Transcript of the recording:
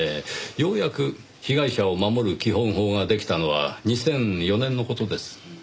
ようやく被害者を守る基本法ができたのは２００４年の事です。